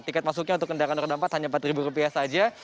tiket masuknya untuk kendaraan roda empat hanya empat ribu rupiah saja